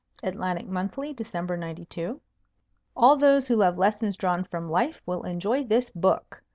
Atlantic Monthly, Dec. '92. "All those who love lessons drawn from life will enjoy this book."